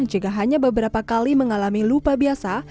jika hanya beberapa kali mengalami lupa biasa